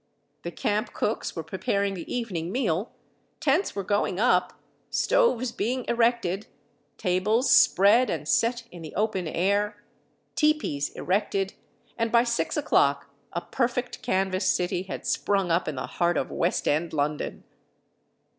The camp cooks were preparing the evening meal, tents were going up, stoves being erected, tables spread and set in the open air, tepees erected, and by 6 o'clock a perfect canvas city had sprung up in the heart of West End London.